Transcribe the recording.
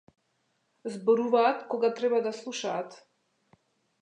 Зборуваат кога треба да слушаат.